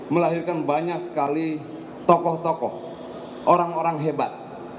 melahirkan banyak sekali tokoh tokoh orang orang hebat